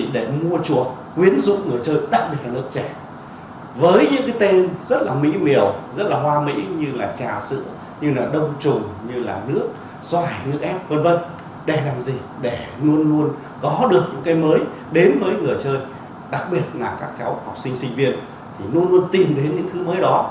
đến với người chơi đặc biệt là các cháu học sinh sinh viên thì luôn luôn tìm đến những thứ mới đó